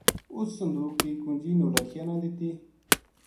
اس صندوق کی کنجی نو لکھیا نا دیتی